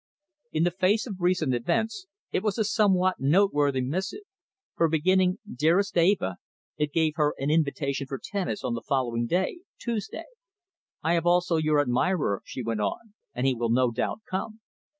In the face of recent events it was a somewhat noteworthy missive, for beginning "Dearest Eva," it gave her an invitation for tennis on the following day, Tuesday. "I have also your admirer," she went on, "and he will no doubt come.